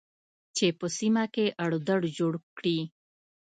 چې په سیمه کې اړو دوړ جوړ کړي